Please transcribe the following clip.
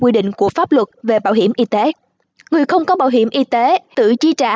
quy định của pháp luật về bảo hiểm y tế người không có bảo hiểm y tế tự chi trả